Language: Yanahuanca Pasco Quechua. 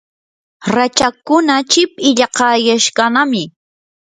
rachakkuna chip illaqayashqanami.